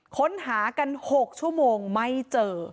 ค้นหากัน๖ชั่วโมงไม่เจอ